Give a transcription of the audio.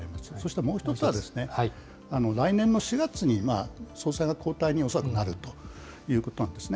そしてもう一つは、来年の４月に総裁が交代に恐らくなるということなんですね。